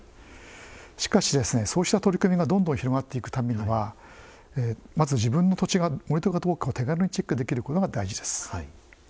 しかしそうした取り組みがどんどん広がっていくためにはまず自分の土地が盛土かどうかを手軽にチェックできることが大事です。